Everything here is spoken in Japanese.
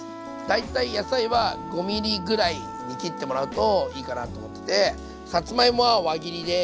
大体野菜は５ｍｍぐらいに切ってもらうといいかなと思っててさつまいもは輪切りで。